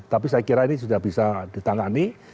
tapi saya kira ini sudah bisa ditangani